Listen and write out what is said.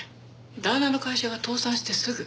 旦那の会社が倒産してすぐ。